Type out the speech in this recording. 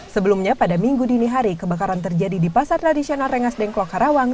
sebelumnya pada minggu dini hari kebakaran terjadi di pasar tradisional rengas dengklok karawang